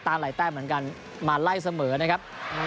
หลายแต้มเหมือนกันมาไล่เสมอนะครับ